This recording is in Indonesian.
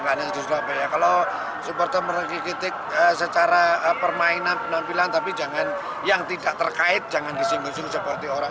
kalau supporter mengkritik secara permainan penampilan tapi jangan yang tidak terkait jangan disinggung singgung seperti orang